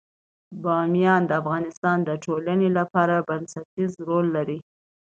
بامیان د افغانستان د ټولنې لپاره بنسټيز رول لري.